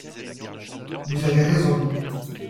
Vous avez raison.